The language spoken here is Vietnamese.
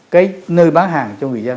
cái nơi bán hàng cho người dân